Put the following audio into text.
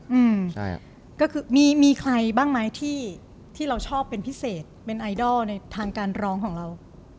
อืมใช่ครับก็คือมีมีใครบ้างไหมที่ที่เราชอบเป็นพิเศษเป็นไอดอลในทางการร้องของเรา